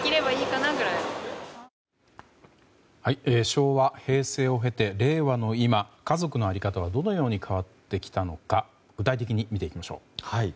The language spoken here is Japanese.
昭和、平成を経て令和の今家族の在り方はどのように変わってきたのか具体的に見ていきましょう。